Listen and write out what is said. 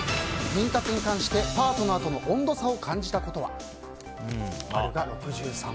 妊活に関してパートナーとの温度差を感じたことは？